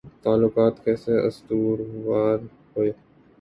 تعلقات کیسے استوار ہوئے